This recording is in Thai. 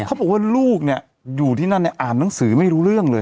เขาบอกว่าลูกเนี่ยอยู่ที่นั่นเนี่ยอ่านหนังสือไม่รู้เรื่องเลย